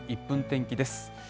１分天気です。